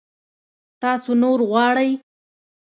تاسو نور غواړئ؟